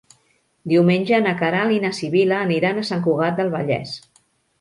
Diumenge na Queralt i na Sibil·la aniran a Sant Cugat del Vallès.